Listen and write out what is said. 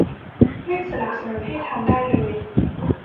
ไม่สนับสนุนให้ทำได้เลย